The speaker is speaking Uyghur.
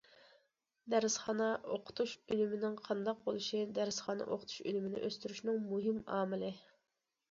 دەرسخانا ئوقۇتۇش ئۈنۈمىنىڭ قانداق بولۇشى دەرسخانا ئوقۇتۇش ئۈنۈمىنى ئۆستۈرۈشنىڭ مۇھىم ئامىلى.